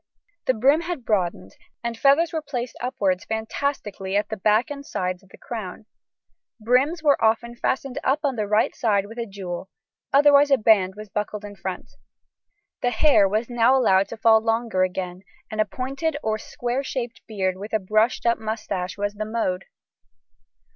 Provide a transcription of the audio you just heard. The brim had broadened, and feathers were placed upwards fantastically at the back and sides of crown. Brims were often fastened up on the right side with a jewel; otherwise a band was buckled in front. The hair was now allowed to fall longer again, and a pointed or square shaped beard with a brushed up moustache was the mode.